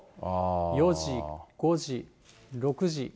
４時、５時、６時、７時。